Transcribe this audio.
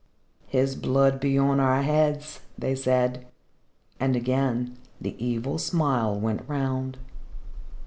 "His blood be on our heads," they said. And again, the evil smile went round.